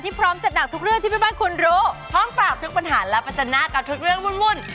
ที่พร้อมเสดหกทุกเรื่องที่เป็นบ้านคุณรู้